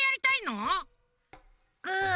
うん。